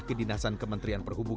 ku diawaru pun